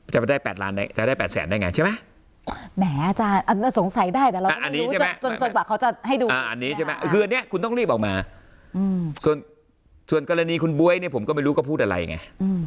ใช่ไหมแหมอาจารย์สงสัยได้แต่เราก็ไม่รู้จนกว่าเขาจะให้ดูอันนี้ใช่ไหมคืออันนี้คุณต้องรีบออกมาส่วนกรณีคุณบ๊วยเนี่ยผมก็ไม่รู้เขาพูดอะไรไง